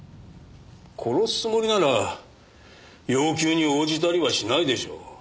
殺すつもりなら要求に応じたりはしないでしょう。